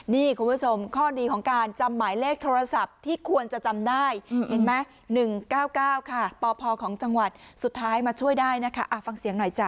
นี่คุณผู้ชมข้อดีของการจำหมายเลขโทรศัพท์ที่ควรจะจำได้เห็นไหม๑๙๙ค่ะปพของจังหวัดสุดท้ายมาช่วยได้นะคะฟังเสียงหน่อยจ้